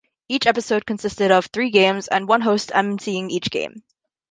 Each episode consisted of three games with one host emceeing each game.